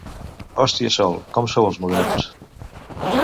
Hòstia Sol, com sou els moderns!